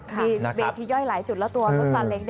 มีเวทีย่อยหลายจุดแล้วตัวรถซาเล้ง